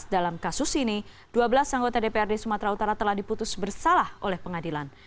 dalam kasus ini dua belas anggota dprd sumatera utara telah diputus bersalah oleh pengadilan